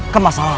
ke masa lalu